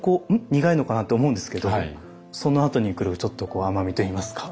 苦いのかな？」って思うんですけどそのあとに来るちょっとこう甘みといいますか。